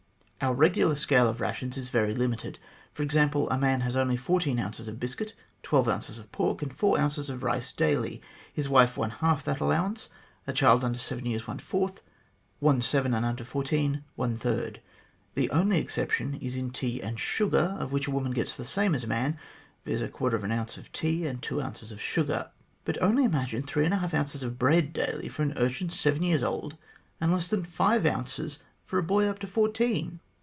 " Our regular scale of rations is very limited. For example, a man has only fourteen ounces of biscuit, twelve ounces of pork, and four ounces of rice daily ; his wife, one half that allowance ; a child under seven years, one fourth ; one seven and under fourteen, one third. The only exception is in tea and sugar, of which a woman gets the same as a man, viz. a quarter of an ounce of tea and two ounces of sugar. But only imagine three and a half ounces of bread daily for an urchin seven years old, and less than five ounces for a boy up to fourteen.